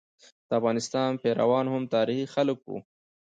د افغانستان پيروان هم تاریخي خلک وو.